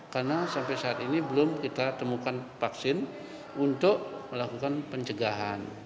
karena sampai saat ini belum kita temukan vaksin untuk melakukan pencegahan